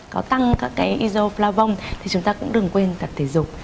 có tăng các cái isoflavone thì chúng ta cũng đừng quên cả thể dục